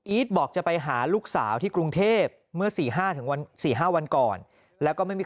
บอกจะไปหาลูกสาวที่กรุงเทพเมื่อ๔๕๔๕วันก่อนแล้วก็ไม่มี